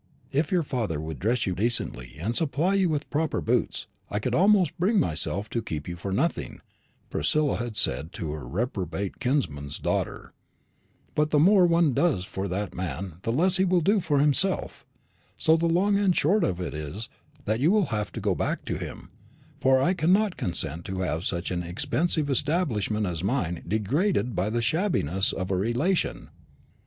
"If your father would dress you decently, and supply you with proper boots, I could almost bring myself to keep you for nothing," Priscilla had said to her reprobate kinsman's daughter; "but the more one does for that man the less he will do himself; so the long and the short of it is, that you will have to go back to him, for I cannot consent to have such an expensive establishment as mine degraded by the shabbiness of a relation."